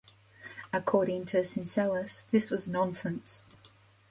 According to Syncellus this was nonsense.